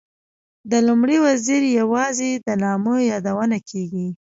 د لومړي وزیر یوازې د نامه یادونه کېږي.